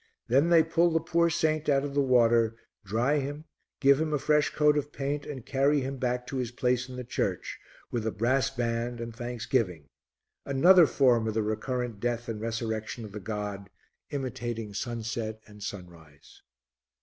Then they pull the poor saint out of the water, dry him, give him a fresh coat of paint and carry him back to his place in the church, with a brass band and thanksgiving another form of the recurrent death and resurrection of the god, imitating sunset and sunrise.